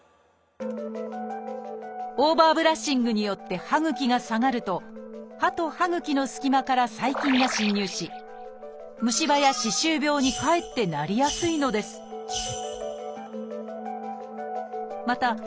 オーバーブラッシングによって歯ぐきが下がると歯と歯ぐきのすき間から細菌が侵入し虫歯や歯周病にかえってなりやすいのですまた